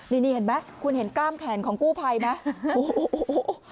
นี่เห็นไหมคุณเห็นกล้ามแขนของกู้ภัยไหมโอ้โห